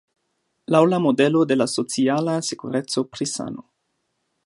Laŭ la modelo de la "Sociala Sekureco" pri sano.